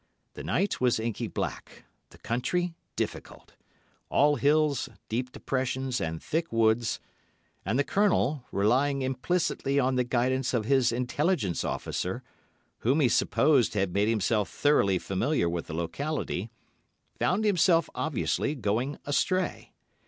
The night was inky black, the country difficult—all hills, deep depressions and thick woods—and the Colonel, relying implicitly on the guidance of his intelligence officer, whom he supposed had made himself thoroughly familiar with the locality, found himself obviously going astray.